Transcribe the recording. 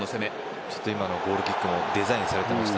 ゴールキックもデザインされていました。